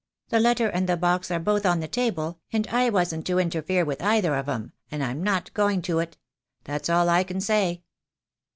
"The letter and the box are both on the table, and I wasn't to interfere with either of 'em, and I'm not going to it. That's all I can say."